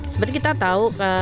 seperti kita tahu